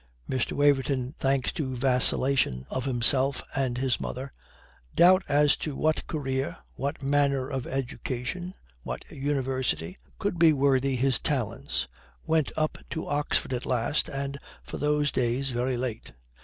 Mr. Waverton, thanks to vacillation of himself and his mother, doubt as to what career, what manner of education, what university, could be worthy his talents, went up to Oxford at last and (for those days) very late.